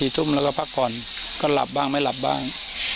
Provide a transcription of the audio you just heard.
ทุ่มแล้วเราพักผ่อนก็หลับบ้างไม่หลับบ้าง